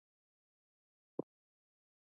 مچمچۍ له خپل مورال نه نه اوړي